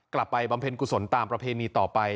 บำเพ็ญกุศลตามประเพณีต่อไป